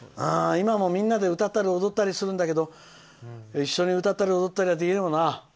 今もみんなで歌ったり踊ったりするんだけど一緒に歌ったり踊ったりはできないよな。